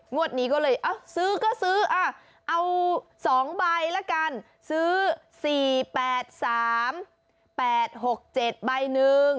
งวดนี้ก็เลยเอ้าซื้อก็ซื้อเอาสองใบละกันซื้อสี่แปดสามแปดหกเจ็ดใบหนึ่ง